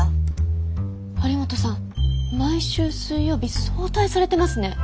有本さん毎週水曜日早退されてますね。